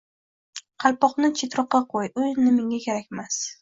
Qalpoqni chetroqqa qo‘y, u endi menga kerakmas.